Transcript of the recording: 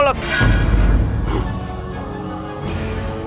kenapa kalian malah adu mulut